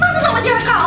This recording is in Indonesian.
masa sama cewek kalah